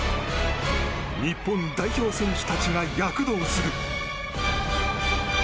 日本代表選手たちが躍動する！